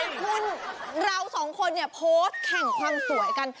คุณเราสองคนเนี่ยโพสต์แข่งความสวยกัน